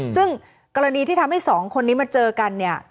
ซึ่งกรณีที่ทำให้สองคนนี้มาเจอกันเนี่ย